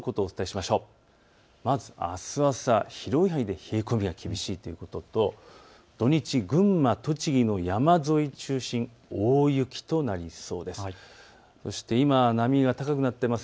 まずあす朝、広い範囲で冷え込みが厳しいということと、土日、群馬、栃木の山沿いを中心に大雪となりそうです。